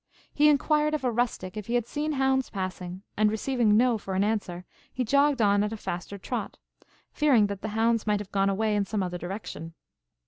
He inquired of a rustic if he had seen hounds pass and receiving "no," for an answer he jogged on at a faster trot, fearing that the hounds might have gone away in some other direction.